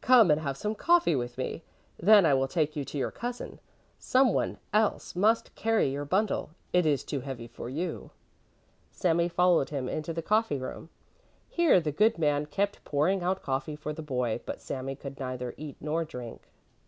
"Come and have some coffee with me. Then I will take you to your cousin. Some one else must carry your bundle. It is too heavy for you." Sami followed him into the coffee room. Here the good man kept pouring out coffee for the boy, but Sami could neither eat nor drink.